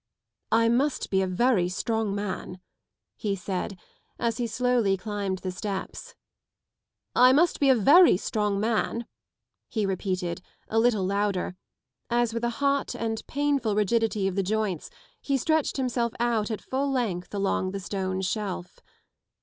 " I must be a very strong man," he said, as he slowly climbed the steps, " I must be a very strong man," he repeated, a little louder, as with a hot and painful rigidity of the joints he stretched himself out at full length along the stone shelf.